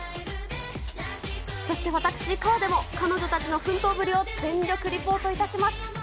そして私、河出も彼女たちの奮闘ぶりを全力リポートいたします。